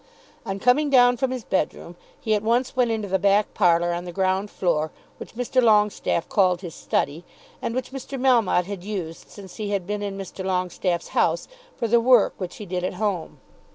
On coming down from his bedroom he at once went into the back parlour on the ground floor, which Mr. Longestaffe called his study, and which Mr. Melmotte had used since he had been in Mr. Longestaffe's house for the work which he did at home.